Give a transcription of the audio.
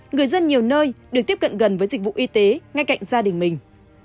người dân nhiều nơi được tiếp cận gần với dịch vụ y tế ngay cạnh gia đình mình